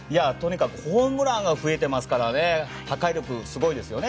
ホームランが増えていますから破壊力がすごいですね